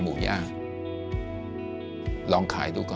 หนูอยากให้พ่อกับแม่หายเหนื่อยครับ